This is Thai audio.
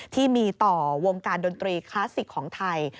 ที่มีต่อวงการดนตรีคลาสสิกของไทย